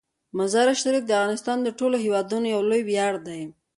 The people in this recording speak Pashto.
مزارشریف د افغانستان د ټولو هیوادوالو لپاره یو لوی ویاړ دی.